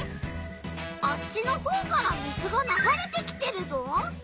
あっちのほうから水がながれてきてるぞ。